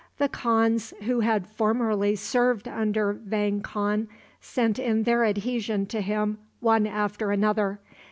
The khans who had formerly served under Vang Khan sent in their adhesion to him one after another.